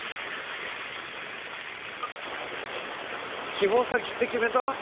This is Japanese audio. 希望先って決めた？